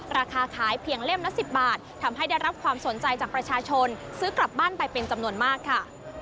ราคาขายเพียงเล่มละ๑๐บาททำให้ได้รับความสนใจจากประชาชนซื้อกลับบ้านไปเป็นจำนวนมากค่ะ